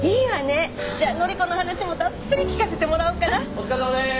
お疲れさまでーす。